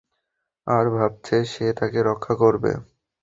আর ভেবেছে, সে তাকে রক্ষা করবে।